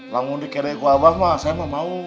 langung dikedehiku abah mas saya mau mau